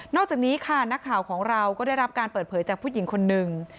อกจากนี้ค่ะนักข่าวของเราก็ได้รับการเปิดเผยจากผู้หญิงคนหนึ่ง